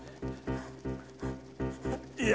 いや。